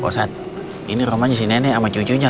posat ini rumahnya si nenek sama cucunya